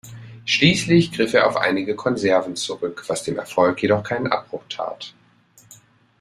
Schließlich griff er auf einige „Konserven“ zurück, was dem Erfolg jedoch keinen Abbruch tat.